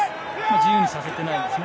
自由にさせてないですね。